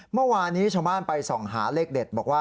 เมื่อวานนี้ชาวบ้านไปส่องหาเลขเด็ดบอกว่า